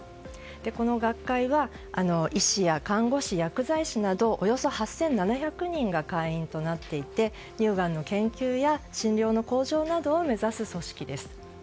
この学会は医師や看護師薬剤師などおよそ８７００人が会員となっていて乳がんの研究や診療の向上などを目指す組織です。